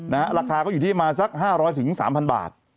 ราคาก็อยู่ที่ประมาณสัก๕๐๐๓๐๐บาท